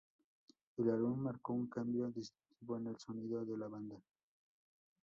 El álbum marcó un cambio distintivo en el sonido de la banda.